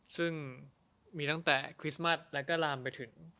ซึ่งมีตั้งแต่คริสต์มัสแล้วก็ลามไปถึง